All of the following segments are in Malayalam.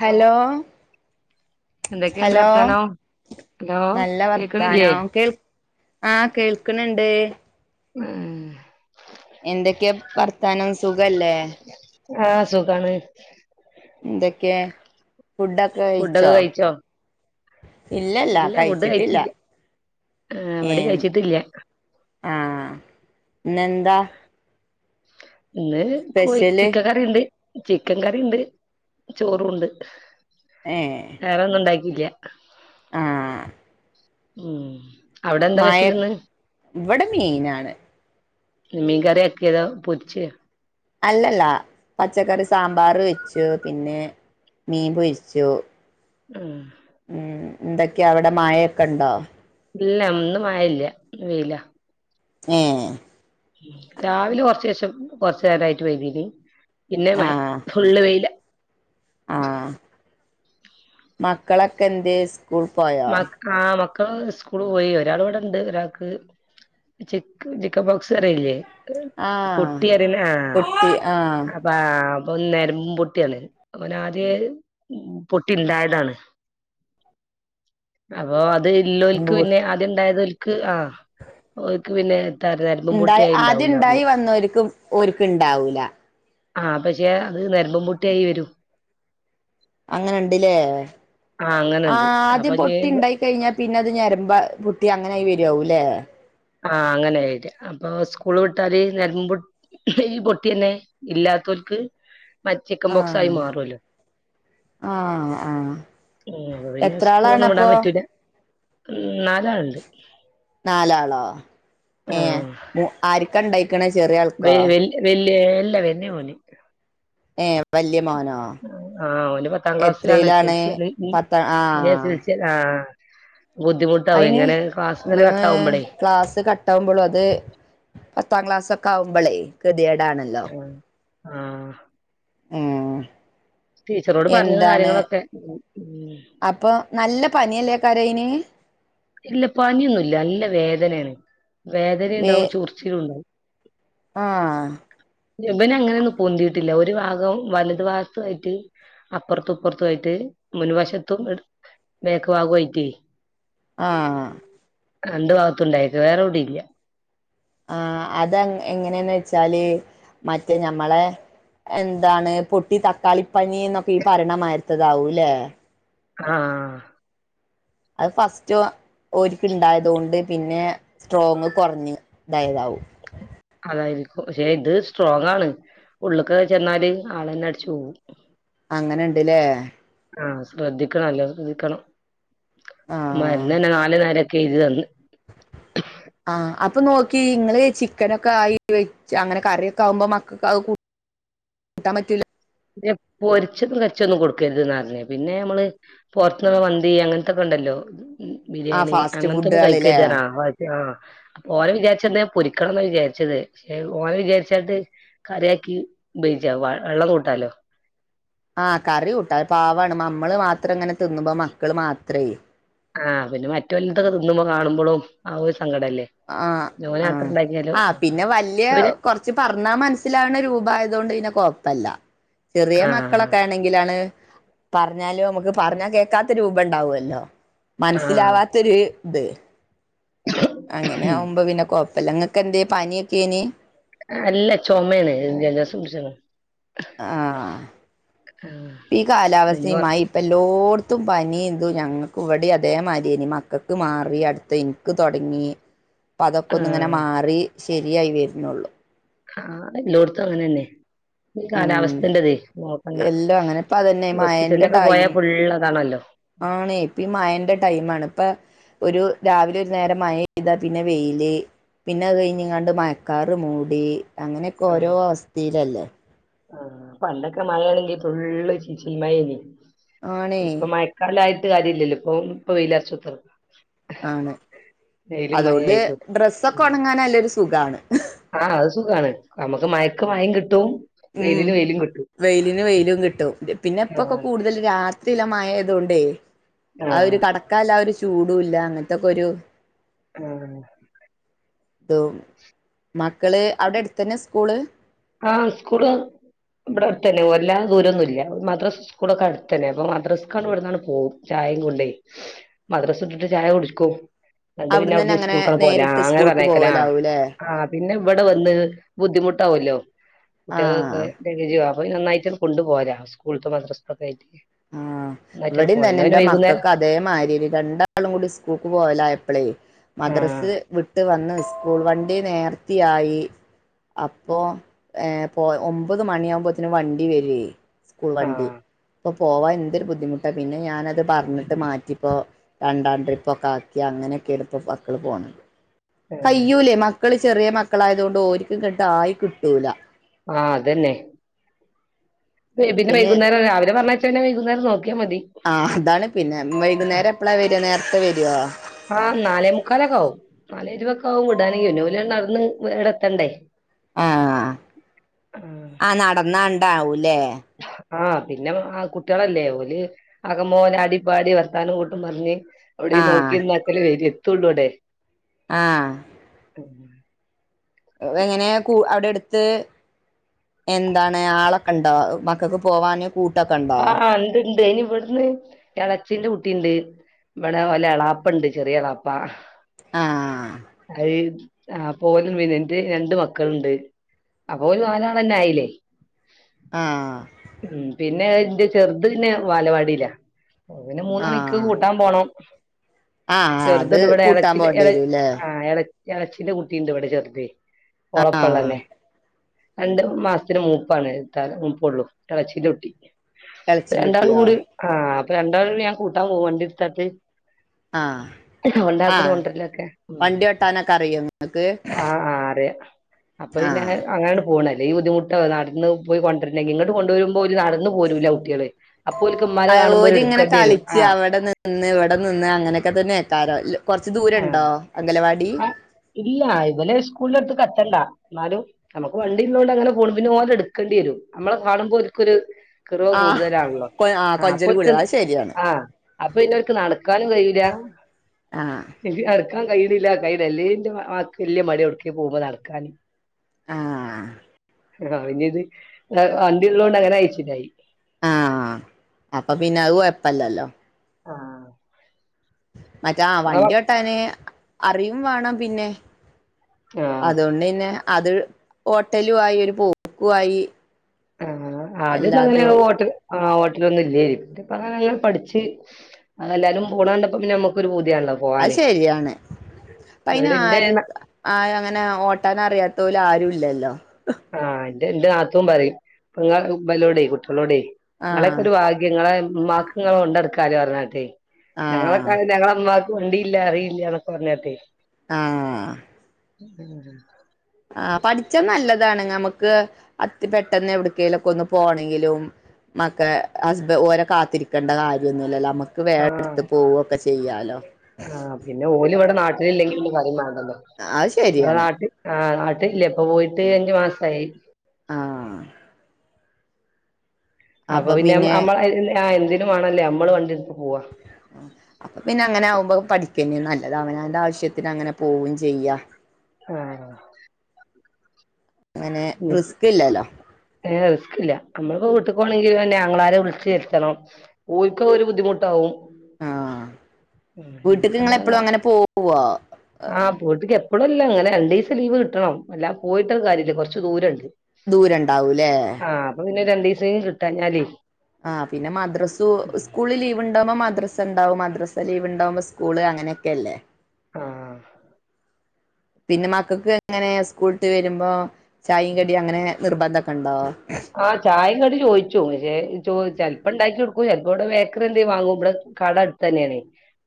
ഹലോ എന്തൊക്കെയുണ്ട് ഹലോ വർത്താനം ഹലോ നല്ല കേക്കണില്ലേ വർത്താനോ കേൾ ആഹ് കേൾക്കണണ്ട് ഉം എന്തൊക്കെയാ വർത്താനം സുഖല്ലേ ആഹ സുഖാണ് എന്തൊക്കെ ഫുഡൊക്കെ കഴിച്ചോ ഇല്ലല്ല ഇല്ല ഫുഡ് കഴിച്ചിട്ടില്ല കഴിച്ചില്ല ആഹ് ഏ ഇവിടെ കഴിച്ചിട്ടില്ല ആഹ ഇെന്താ ഇന്ന് കോയി ചിക്കൻ കറുണ്ട് ചിക്കൻ കറുണ്ട് ചോറും ഉണ്ട് വേറെ ഒന്നും ഉണ്ടാക്കില്ല ആഹ ഉം അവിടെ എന്താ വിശീൽന്ന് ഇവിടെ മെയിൻാണ് മികറ എെത പച്ച അല്ലല്ല പച്ചക്കറി സാമ്പാർ വെച്ചു പിന്നെ മീൻ പോൊയിച്ചു ഉം ഉം എന്തൊക്കെയ അവിടെ മായയൊക്കെ ഉണ്ടോ ഇല്ല ഒന്നും വല്ല വയില ആഹ രാവിലെ കൊറച്ച ശേഷം കൊറച്ച നേരം ആയിട്ട് വൈതിീന് പിന്നെ മ ആഹ് ഫുള്ള് വെയില ആഹ് മക്കളൊക്കെ എന്ത സ്കൂള് പോയോ മ ആഹ് മക്കള് സ്കൂള് പോയി ഒരാൾ ഇവിടെണ്ട് ഒരാൾക്ക് ച ചിക്കൻ ബോക്സ് അറിയില്ലേ ആഹ് പൊട്ടിയറിന ആഹ കുട്ടി ആഹ് അപ്പ അപ്പൊ നരമ്പും പൊട്ടിയാണ് അവന ആദ്യ പൊട്ടി ഉണ്ടായതാണ് അപ്പൊ അത് ഇല്ലോൽക്ക് പിന്നെ ആദ്യം ഉണ്ടായത് ആക്ക് പിന്നെ എത്താറ നരമ്പും ഉണ്ടായി പൊട്ടിയായി ആദ്യം ഇണ്ടാവുംന്ന് ഉണ്ടായി പറഞ്ഞ് വന്നവർക്ക്ും ഒരുക്കും ഇണ്ടാവൂല ആ പക്ഷെ അത് നർമ്പംപുട്ടിയായി വരും അങ്ങനെുണ്ടില്ലേ ആഹ് ആ അങ്ങനെണ്ട് അപ്പൊ ആദ്യം ഇഞ്ഞ് പൊട്ടി ഉണ്ടായി കഴിഞ്ഞാ പിന്നെ അത് ഞരമ്പാ പുട്ടി അങ്ങനെ ആായി വരുവവുംല്ലേ ആഹ അങ്ങനെയിരിക്ക അപ്പൊ സ്കൂള് വിട്ടാല് നരമ്പ ഈ പൊട്ടിന്നെ ഇല്ലാത്തവർക്ക് മറ്റ ചിക്കൻ ബോക്സ് ആഹ് ആായി മാറല്ലോ ആഹ് ആഹ് ഉ അ പിന്നെ എത്ര സ്കൂളൊന്നും വിടാൻ ആളാണപ്പൊ പറ്റൂില്ല ഉം നാലാളുണ്ട് ഏ ആരിക്ക ഉണ്ടായിക്കണ ചെറിയ ആൾക്കാ എല്ലവേ നവ നി ഏഹ് വല്യ മോനോ ആഹ് ഒ പത്താം ക്ലാസ്സിലാണ് എത്രയിലാണ് ശ പത്ത ആഹ അതിന് കട്ടാവുമ്പളേ ക്ലാസ് കട്ട ആാവുമ്പോളു അത് പത്താം ക്ലാസ്ക്കെ കവമ്പളേ ഗൃതിയേടാണല്ലോ ആഹ ആ പറഞ്ഞത് എന്താണ് കാര്യങ്ങളൊക്കെ ഉം ഉം അപ്പൊ നല്ല പനിയല്ലക്കെ കരനി ഇല്ല പനിയൊന്നുംല്ല നല്ല വേദനയാണ് വേദനയുണ്ടാവും ചറച്ചിലും ഉണ്ടാവും ആഹ വന അങ്ങനെയൊന്നും പൊന്തിീയിട്ടില്ല ഒരു ഭാഗം വലതു ഭാഗത്ത ആയിട്ട് അപ്പുറത്തുംപ്പുറത്തുയിട്ട് മുൻവശത്തും മേഖവാകുയിറ്റ ആ രണ്ട് ഭാഗത്തുണ്ടായിക്ക വേറെവിടെ ഇല്ല ആഹ അത എങ്ങനെയന്ന് വെച്ചാല് മറ്റേ ഞമ്മളെ എന്താണ് പൊട്ടി തക്കാളിപ്പനി എന്നൊക്കെ ഈ ഭരണമായിരത്തതാവൂല്ലേ ആഹ അത് ഫസ്റ്റ് ഒരിക്ക ഇണ്ടായത കൊണ്ട് പിന്നെ സ്ട്രോങ്ങ് കുറഞ്ഞഞ് ഇതായതാവും അതായിരിക്കും പക്ഷെ ഇത് സ്ട്രോങ് ആണ് ഉള്ളൊക്കെ ചെന്നാല് ആളന്നെ അടച്ച്ു പോവും അങ്ങനെുണ്ടല്ലേ ആഹ ശ്രദ്ധിക്കണല്ലോ ശ്രദ്ധിക്കണം ആഹ് മരുന്ന് തന്നെ നാല നേരൊക്കെ എ ഇത് തന്ന് ആഹ അപ്പൊ നോക്കി നിങ്ങള് ചിക്കനൊക്കെ ആയി വെ അങ്ങനെ കറിയൊക്കെ ആകുമ്പോ മക്ക കട്ടാമറ്റല്ല പൊരിച്ചും കച്ചൊന്നും കൊടുക്കരുത്ന്ന് പറഞ്ഞ പിന്നെ നമ്മള് പോറത്തുന്നുള്ള മന്തി അങ്ങനത്തെൊക്കെ ണ്ടല്ലോ ആഹ് ബിരിയാണി ഫാസ്റ്റ് അങ്ങനത്ത ഒന്ന ഫുഡുകളില്ലേ കഴഴുതറാ ആ അപ്പൊ ഓന വിചാരിച്ച എന്താ പൊരിക്കണം എന്ന വിചാരിച്ചത് ഓന വിചാരിച്ചായിട്ട് കറിയക്കി ബയിിച്ച വ വെള്ളം കൂട്ടാലോ ആഹ് കറി കൂട്ട പാവാണ് നമ്മള് മാത്രം ഇങ്ങനെ തിന്നുമ്പോ മക്കള് മാത്രേ ആഹ പിന്നെ മറ്റ വല്ലത്തൊക്കെ തിന്നുമ്പോ കാണുമ്പോഴും ആ സങ്കടല്ലേ ആ ഓന് ആ മാത്രം ഉണ്ടാക്കിയാലോ ആ പിന്നെ വല്ിയ പിന്നെ കുറച്ച് പറഞ്ഞാ മനസ്സിലാണ് രൂപ അതുകൊണ്ട് പിന്നെ കൊഴപ്പല്ല ചെറിയ ആഹ് മക്കളൊക്കെ ആണെങ്കിലാണ് പറഞ്ഞാലോ നമുക്ക് പറഞ്ഞാ കേൾക്കാത്തൊരൂപ ഉണ്ടാവല്ലോ ആഹ് മനസ്സിലാവാത്തൊരു- ഇത് അങ്ങനെ ആകുമ്പോ പിന്നെ കൊഴപ്പില്ല ഇങ്ങക്കെ എന്തെ പനിയൊക്കെനി അല്ല ചുമയാണ് ജലദോഷം പിടിച്ചെന്ന് ആഹ് ഈ ഇനി കൊറ കാലാവസ്ഥയുമായി ഇപ്പല്ലോ ഓർത്തും പനിതു ഞങ്ങൾക്ക് ഇവിടെ അതേമാതിരിനി മക്കൾക്ക് മാറി അടുത്ത ഇൻക്കും ക്ക് തുടങ്ങി അപ്പൊ അതൊക്കെ ഒന്ന് ഇങ്ങനെ ആഹ് മാറി ശരിയായി വരുന്നുള്ളു എല്ലോട്ത്തും അങ്ങനെന്നെ ഈ ഉം കാലാവസ്ഥന്റെതെ നോക്കണ്ട എല്ലാം അങ്ങനെ ഇപ്പം അതന്നെ ഹോസ്പിറ്റലിന്റെ ഒക്കെ പോയാൽ ഫുള്ള്അതാണല്ലോ ആണ് ഇപ്പ മഴ ന്റെ ടൈം ആണ് ഇപ്പ ഒരു രാവിലെ ഒരു നേരം മഴ യെയ്താ പിന്നെ വെയില് പിന്നെ അത് കഴിഞ്ഞങ്ങാണ്ട് മയക്കാർ മൂടി അങ്ങനെയൊക്കെ ആഹ് ഓരോ അവസ്തേലല്ലേ- ആഹ് പണ്ടൊക്കെ മഴയാണെങ്കിതുള്ളി ചീമഴാർന്ന്- ആണേ ഇപ്പ മഴക്കാലം ആയിട്ട് അതില്ലല്ലോ ഇപ്പൊ ഇപ്പൊ വെയിലറിച്ചത് ആണ് അതുകൊണ്ട് മഴയായിട്ടും ഡ്രസ്സൊക്കെ ഉണങ്ങാൻ നല്ലൊരു സുഖാണ് ആഹ് അത് സുഖാണ് നമ്മുക്ക് മയക്ക് മഴിം കിട്ടും ഉം വെയിലിന് വെയിലും കിട്ടും വെയിലിന് വെയിലും കിട്ടും പിന്നെ ഇപ്പൊക്കെ ആഹ് കൂടുതൽ രാത്രിയില മഴ അതൊണ്ടേ ആഹ് അതോരു കടക്കാല ആ ഒരു ചൂടു ഇല്ല അങ്ങനത്തൊക്കെ ഒരു ആ അത് മക്കള് അവിടെ അടുത്തെന്നെ സ്കൂള് ആഹ് സ്കൂള് ഇവിടെ അടു തന്നെ വെല്ലാ ദൂരൊന്നും ഇല്ല മദ്രസ്സ സ്കൂളൊക്കെ അടുത്ത് തന്നെ അപ്പോ മദ്രസ്സക്ക് ഇവിടുന്നങ്ങട് പോകും ചായയും കൊണ്ടേ മദ്രസ വിട്ടിട്ട് ചായ കുടിക്കും ങ്ങട്ട് പിന്നെ അവിടുന്ന് തന്നെ അവിടു അങ്ങനെ സ്കൂൾക്ക പോലാആ നേരിട്ട് അങ്ങനെ സ്കൂൾക്ക് പറഞ്ഞേക്കലാ പോവലാവൂല്ലേ ആ പിന്നെ ഇവിടെ വന്ന് ബുദ്ധിമുട്ടാവല്ലോ കുട്ടികളക്കെ ആഹ് [unintelligible] അ നന്നായിട്ട് കൊണ്ട് പോരാ സ്കൂളും മദ്രസത്തക്കെ ആയിട്ട്- ആ ഇവിട ഒന്നായിട്ടാണ് പോവല് തന്നെ എന്നാ എൻറെ പിന്നെ വൈകുന്നേരം മക്കൾക്ക് അതേമാതിരി രണ്ടാളും കൂടി സ്കൂൾക്ക് പോവലായപ്പളേ ആഹ് മദ്രസ് വിട്ട് വന്ന് സ്കൂൾ വണ്ടി നേർത്തിയായി അപ്പൊ ഏ പോ ഒമ്പത് മണിയാകുമ്പോത്തിനും വണ്ടി വരു ഏ സ്കൂൾ വണ്ടി ആഹ് ഇപ്പോ പോവാൻ എന്തൊരു ബുദ്ധിമുട്ട പിന്നെ ഞാനത് പറഞ്ഞിട്ട് മാറ്റിപ്പോ രണ്ടാം ട്രിപ്പ് ഒക്കെ ആക്കിയങ്ങ അങ്ങനൊക്കെ ഇപ്പൊ മക്കള് പോണത് ഏഹ് കയ്യൂലേ മക്കള് ചെറിയ മക്കളായതൊണ്ട് ഓര്ക്ക് ട്ട്ങ്ങ ആയി കിട്ടൂല ആഹ് അതെന്നെ ബ പിന്നെ വൈകുന്നരം രാവിലെ പറഞ്ഞച്ചാ പിന്നെ വൈകുന്നേരം നോക് ആ അതാണ് പിന്നെ വൈകുന്നേരം എപ്പള വെര നേരത്തെ വരോ ആ നാലേ മുക്കാലൊക്കെ ആവും നാലേരുപൊക്കെ ആവും വിടാന് പിന്നെവര് നടന്ന് ഇങ്ങട് എത്തണ്ടേ ആഹ് ആഹ് നടന്നാണ്ടാവൂലേ- ആഹ് പിന്നെ ആ കുട്ടികളല്ലേ ഓല് ആകംപോലെ അടിപ്പാടി വർത്താനം കൂട്ട് പറിഞ്ഞ് അവിടെ ഈ ആഹ് നോക്കിന്ന് അത്രേ വേര് എത്തുള്ളൂ ഇവ്ടെ ആഹ് ഉം വെങ്ങനെ കു അവിടെടുത്ത്- എന്താണ് ആളൊക്കെ ഉണ്ടോ മക്കൾക്ക് പോവാന് കൂട്ടൊക്കെ ഉണ്ടാ ആഹ് ഇണ്ട് ഇണ്ട് ഇനി ഇവിടുന്ന് എളേച്ചിന്റെ കുട്ടിണ്ട്- ഇവിടെ ഓലെ എളാപ്പണ്ട് ചെറിയ എളാപ്പ ആഹ് അത് ആ പോലും മീനറ്റ് രണ്ട് മക്കളുണ്ട് അപ്പൊ ഓല് നാലാളെന്നെ ആയില്ലേ ആഹ് ഉം പിന്നെ എന്റെ ചെറുത് പിന്നെ വാലവാടില അത് പിന്നെ മൂന്നണിക്ക് ആഹ് കൂട്ടാൻ പോണം ആഹ് അത് ചെറുതുണ്ടിവിടെ കൂട്ടാൻ ഇളച്ചി പോണ്ടി ഇള വരൂല്ലേ ആ ഇള ഇച്ചിന്റെ കുട്ടിണ്ട് ഇവിടെ ചെറുത് ആഹ് കൊളപ്പള്ളന്നെ രണ്ട് മാസത്തിന് മൂപ്പാണ് ത മൂപ്പ ഉള്ളൂ ഇളച്ചിയിലൊട്ടി എളച്ചിന്റെ രണ്ടാൾ കുട്ടിയോ കൂട് ആ് അപ്പൊ രണ്ടാൾ കൂ ഞാൻ കൂട്ടാൻ പോവാണ്ട ഇടുത്താട്ട് ആഹ ഉണ്ടാക്കല കൊണ്ടന്നൊക്കെ ഉ ഓട്ടാനൊക്കെ അറിയോ ഇങ്ങക്ക് ആ അറിയ അപ്പൊ പിന്നെ ആഹ് അങ്ങനാണ് പോണല്ലേ ഈ ബുദ്ധിമുട്ട് നടാന്ന് പോയി കൊണ്ടരുന്നെ ഇങ്ങട്ട് കൊണ്ടുവരുമ്പോ ഒരു പോ കുട്ടികള അപ്പോ ഇമ്മാനെ കാണുമ്പോ ഓല് ഒരിങ്ങനെ എടുക്കേണ്ടി വരും കളിച്ച് ആഹ് അവിടെ നിന്ന് ഇവിടെ നിന്ന് അങ്ങനെയൊക്കെ തന്നെ കേക്കറോ കൊറച്ച് ആഹ് ദൂരണ്ടോ അ ആ ഇല്ല ഇലെ സ്കൂളിൽ എടുത്ത് കറ്റണ്ട എന്നാലും നമുക്ക് വണ്ടി ഇതോണ്ട് അങ്ങനെ ഫോണി പിന്നെ പോതല എടുക്കേണ്ടി വരും നമ്മെ കാണുമ്പോൾും ഒരു കുറവ് ആഹ് കൂടുതലാണല്ലോ കൊ ആ അപ്പൊ കൊഞ്ചല് ഓൽക്ക് കൂടുതലാ അത് ശരിയാണ് ആഹ് അപ്പൊ പിന്നോര്ക്ക് നടക്കാനും കയ്യൂല ആഹ് ക്കാൻ കയ്യിണില്ല കയ്ലല്ലേന്റെ മകക്ക് വല്ല്യ മട്യാ എവ്ട്ക്കേഠ പോവുമ്പൊ നടക്കാൻ ആഹ് ഇനി ഇത് വണ്ടി ഉള്ളതൊണ്ട് അങ്ങനെ കയ്ച്ചിലായി ആ അപ്പൊ പിന്നെ അത് കൊയപ്പല്ലല്ലോ ആഹ് മറ്റാ വണ്ടി ഓട്ടാന് അറിയും വാണം പിന്നെ ആ അതുകൊണ്ട് ന്നെ അത് ഓട്ടലു ആയി ഒരു പോക്കും ആയി ആ ആദ്യൊന്നും അങ്ങനെ എല്ലാതും വോട്ട് ആഹ് ഓട്ടലൊന്നും ഇല്ലേന് പിന്നെപ്പങ്ങനെ അങ്ങട് പഠിച്ച് എല്ലാരും പോണ കണ്ടപ്പ പിന്നെ നമ്മുക്കൊരു പൂ അത് ശരിയാണ് അപ്പ അയ്ന് ഇവിടെ ഇന്റെ ആര് ആ അങ്ങനെ ഓട്ടാനറിയാ തോല് ആരും ഇല്ലല്ലോ ആഹ് ഇന്റെ ഇൻ്റെ നാത്തൂൻ പറയും ഇപ്പങ്ങ ഇബലോടെ കുട് ളോടേയ് ഇങ്ങളെക്കെ ആഹ് ഒരു ഭാഗ്യം ഇങ്ങളെ ഇമ്മാക്ക്ങ്ങളെ കൊണ്ടട്ക്കാ ലോ പറഞ്ഞാട്ടെ ഞങ്ങളെക്ക ആഹ് ഞങ്ങള ഇമ്മാക്ക് വണ്ടിയില്ല അറിയില്ല ന്നൊക്കെ പറഞ്ഞാട്ടെ ആഹ് ആ ആ പഠിച്ചാ നല്ലതാണ് നമുക്ക് അത്തി പെട്ടെന്ന് എവിട്ക്കേലൊക്കെ ഒന്ന് പോണങ്കിലും മക്കെ ഹസ്ബ ഓരോ കാത്തിരിക്കേണ്ട കാര്യൊന്നുല്ലല്ലോമ്മ ക്ക് വേഠ ഇട്ത്ത് പോവൊക്കെ ചെയ്യാലോ ആ പിന്നെ ഓലും ഇവിടെ നാട്ടിൽ ഇല്ലെങ്കി പിന്നെ പറിം വേണ്ടല്ലോ അത് [unintelligible] ശരിയാണ് നാട്ടി ആ നാ ഇല്ല്യ ഇപ്പൊ പോയിട്ട് അഞ്ചു മാസായി ആഹ് അപ്പൊ പിന്നെ അം അമ്മള ആ എന്തിനും വാണല്ലോ നമ്മള് വണ്ടിട് അപ്പൊ പിന്നെ അങ്ങനെ ആവുമ്പോ അത് പഠിക്കന്നെ നല്ലത് അവനാന്റെ ആവ് ശ്യത്തിന് അങ്ങനെ പോവും ചെയ്യാ ആഹ് അങ്ങനെ റിസ്ക് ഇല്ലല്ലോ എസ് ക്കില നമ്മള്പ്പോ വീട്ട്ക്കോണെങ്കി തന്നെ ആങ്ങളാരെ വിളിച്ച് വരുത്തണം ഓൽക്ക് അത് ഒരു ബുദ്ധിമുട്ടാവും ആഹ് ഉം വീട്ട്ക്ക് പിന്നെപ്പോ ഇങ്ങളെപ്പളും അങ്ങനെ പോവോ ആഹ് വീട്ട്ക്ക് എപ്പളുല്ല ഇങ്ങനെ രണ്ടു ഈസം ലീവ് കിട്ടണം അല്ലാ പോയിട്ടൊ ഒരു കാര്യല്ല കൊറച്ച് ദൂരം ഉണ്ട് ദൂരണ്ടാവൂലേ പിന്നെ രണ്ടീസേലും കിട്ടാഞാലേ ആഹ് പിന്നെ മദ്രസ്സു സ്കൂളിൽ ലീവ് ഉണ്ടാവുമ്പോ മദ്രസ് സണ്ടാവും മദ്രാസ ലീവ് ഉണ്ടാവ്‌മ്പൊ സ്കൂള് അങ്ങനൊക്കെ അല്ലേ ആഹ് പിന്നെ മക്കക്ക് എങ്ങനെ സ്കൂൾട്ട് വരുമ്പോ ചായയും കടിയും അങ്ങനെ നിർബന്ധൊക്കെ ഇണ്ടോ ആഹ് ചായ ഇങ്ങട്ട് ചോയ്ച്ചും പക്ഷെ ചോ ചെലപ്പോ ഇണ്ടാക്കിയൊട്ക്കും ചെലപ്പോ ഇവിടെ ബേക്കറി എന്തേയും വാങ്ങും ഇവിടെ കട അടുത്തന്നേണേ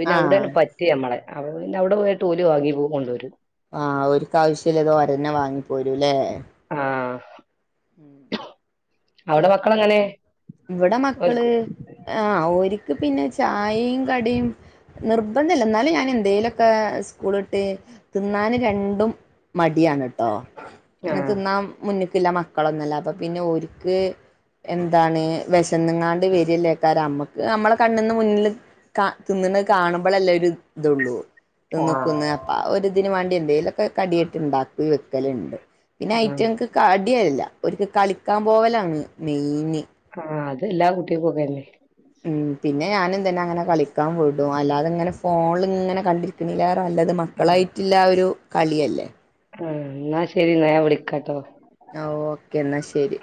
പിന്ന അവിടേണ് ആഹ് പറ്റ് ഞമ്മളെ അപ്പ പിന്നെ അവിട പോയിട്ട് ഓല് വാങ്ങി പൂ കൊണ്ടോരും ആഹ് ഓര്ക്കാവശ്യല്ലത് ഓരന്നെ വാങ്ങിപ്പോരൂലേ ആഹ് അവടെ മക്കളങ്ങനേ ഇവിടെ മക്കള് ആഹ് ഓര്ക്ക് പിന്നെ ചായേം കടീം നിർബന്ധല്ല എന്നാലും ഞാനെന്തേലൊക്ക സ്കൂള് വിട്ട് തിന്നാന് രണ്ടും മടിയാണ് ട്ടോ അനെ ആഹ് തിന്നാൻ മുന്ന്ക്കില്ല മക്കളൊന്നല്ല അപ്പൊ പിന്നെ ഓര്ക്ക് എന്താണ് വെശന്ന്ങ്ങാണ്ട് വരിയല്ലേക്കാര അമ്മക്ക് അമ്മള കണ്ണ്ന്ന് മുന്നില് കാ തിന്ന്ണ കാണുമ്പളല്ലേ ഒരിതൊള്ളൂ ആഹ് തിന്ന്ക്കുന്ന് അപ്പാ ഒരിതിന് വേണ്ടി എന്തേലൊക്കെ കടിയട്ടിണ്ടാക്കി വെക്കല്ണ്ട് പിന്നെ ആഹ് ഐറ്റങ്ങ്ക്ക് കടിയല്ല ഓര്ക്ക് കളിക്കാൻ പോവലാണ് മെയിന് ആഹ് അത് എല്ലാ കുട്ടികക്കൊക്കല്ലേ ഉം പിന്നെ ഞാനും തന്നെ അങ്ങനെ കളിക്കാൻ വിടും അല്ലാതിങ്ങനെ ഫോൺലിങ്ങനെ കണ്ടിരിക്കണേലേറെ നല്ലത് മക്കളായിറ്റ്ള്ളാ ഒരു കളിയല്ലേ ആഹ് ന്നാ ശരി ന്നാ ഞാൻ വിളിക്കാട്ടോ ആഹ് ഓക്കേ എന്നാ ശരി